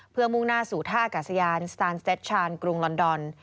เพื่อมุ่งหน้าสู่ท่ากักกับส่วนสนามฝึกซ้อมกรุงลอนดอน